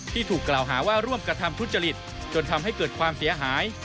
ถูกกล่าวหาว่าร่วมกระทำทุจริตจนทำให้เกิดความเสียหาย